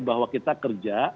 bahwa kita kerja